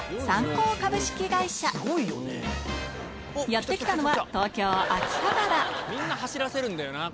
やって来たのはみんな走らせるんだよな